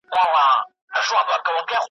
او ضمناً د ځنګله `